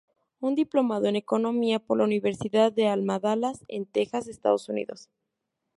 Es diplomado en Economía por la Universidad de Alma Dallas en Texas, Estados Unidos.